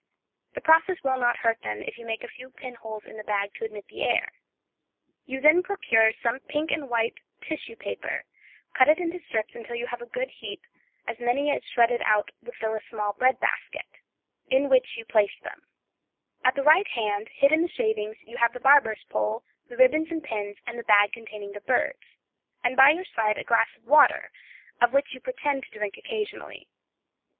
The process will not hurt them, if you make a few pin holes in the bag to admit the air; you then procure some pink and white tissue paper, cut it into strips until you have a good heap, as many shredded out as would fill a small bread basket, in which you place them; at the right hand, hid in the shavings, you have the barber's pole, the ribbons and pins, and the bag containing the birds, and by your side a glass of water, of which you pretend to drink occasionally.